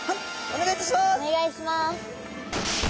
お願いします。